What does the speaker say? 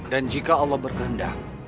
dan jika allah berkehendak